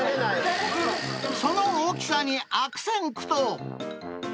その大きさに悪戦苦闘。